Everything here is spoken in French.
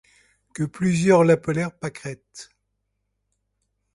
Que plusieurs l'appelèrent Pâquerette!